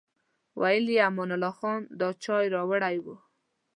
ویل یې امان الله خان دا چای راوړی و.